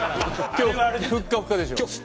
今日ふっかふかです。